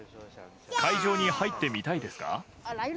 会場に入って見たいですか？